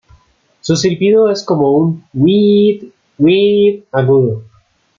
Su silbido es como un "weeet-weet" agudo.